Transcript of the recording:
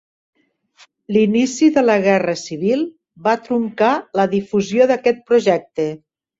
L'inici de la Guerra Civil va truncar la difusió d'aquest projecte.